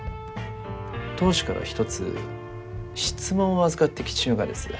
当主から一つ質問を預かってきちゅうがです。